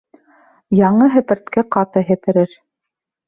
Яңы һепертке ҡаты һеперер.